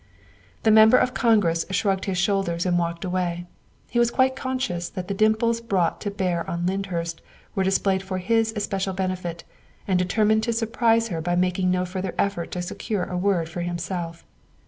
The Member of Congress shrugged his shoulders and walked away. He was quite conscious that the dimples brought to bear on Lyndhurst were displayed for his especial benefit, and determined to surprise her by making no further effort to secure a word for himself.